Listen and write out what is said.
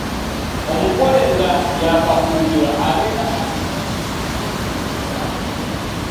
Omugole nga yaakafumbirwa abeera alina nnyo empisa.